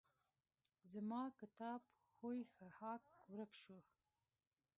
زما کتاب ښوی ښهاک ورک شو.